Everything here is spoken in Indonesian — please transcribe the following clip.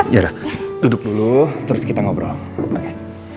yaudah duduk dulu terus kita ngobrol oke